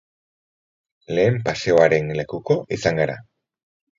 Lehen paseoaren lekuko izan gara.